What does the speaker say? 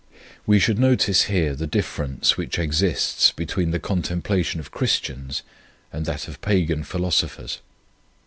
We should notice here the differ ence which exists between the contemplation of Christians and that of pagan philosophers.